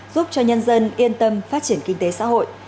giúp cho nhân dân yên tâm phát triển kinh tế xã hội